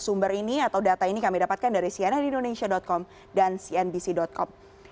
sumber ini atau data ini kami dapatkan dari cnnindonesia com dan cnbc com